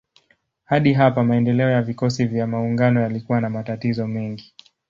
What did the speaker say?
Hadi hapa maendeleo ya vikosi vya maungano yalikuwa na matatizo mengi.